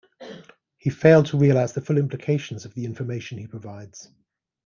He failed to realize the full implications of the information he provides.